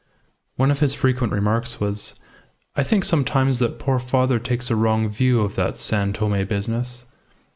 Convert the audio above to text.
One of his frequent remarks was, "I think sometimes that poor father takes a wrong view of that San Tome business."